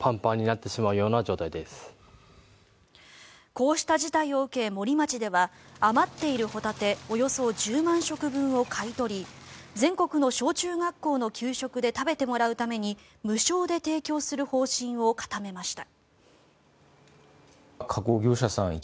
こうした事態を受け森町では余っているホタテおよそ１０万食分を買い取り全国の小中学校の給食で食べてもらうために無償で提供する方針を固めました。